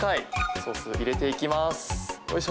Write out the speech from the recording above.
ソース、入れていきます。